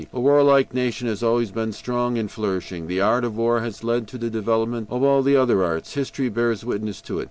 A warlike nation has always been strong and flourishing. The art of war has led to the development of all the other arts. History bears witness to it.